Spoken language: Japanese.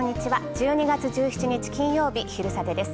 １２月１７日、金曜日「昼サテ」です。